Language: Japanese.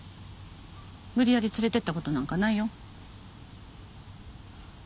無理やり連れてったことなんかないよ。